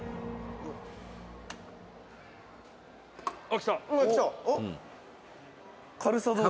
あっ」